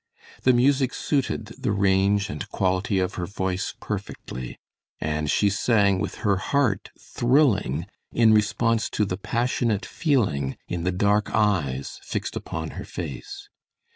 The music suited the range and quality of her voice perfectly, and she sang with her heart thrilling in response to the passionate feeling in the dark eyes fixed upon her face.